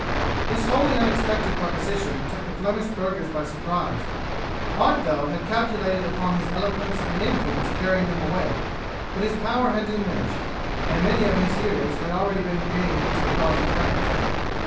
This wholly unexpected proposition took the Flemish burghers by surprise. Artevelde had calculated upon his eloquence and influence carrying them away, but his power had diminished, and many of his hearers had already been gained to the cause of France.